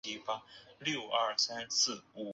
泥河和黑河之间水灾频繁。